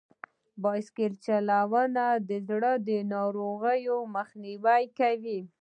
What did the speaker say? بایسکل چلول د زړه د ناروغیو مخنیوی کوي.